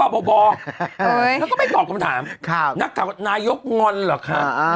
แล้วก็ไม่ตอบคำถามนักข่าวว่านายกงอนเหรอคะ